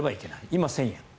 今、１０００円。